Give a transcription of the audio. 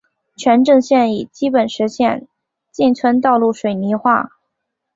全镇现已基本实现进村道路水泥化。